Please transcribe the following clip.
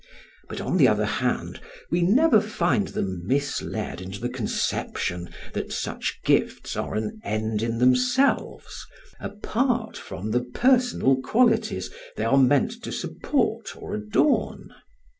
But on the other hand we never find them misled into the conception that such gifts are an end in themselves, apart from the personal qualities they are meant to support or adorn.